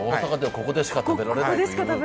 ここでしか食べられない。